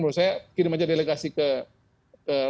menurut saya kirim aja delegasi ke